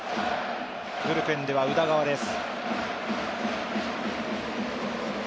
ブルペンでは宇田川です。